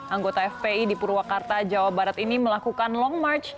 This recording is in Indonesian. anggota fpi di purwakarta jawa barat ini melakukan long march